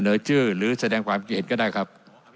จะเสนอชื่อหรือแสดงความเกลียดก็ได้ครับ